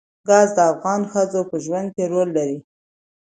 ګاز د افغان ښځو په ژوند کې رول لري.